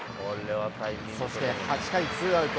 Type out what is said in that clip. そして８回、ツーアウト。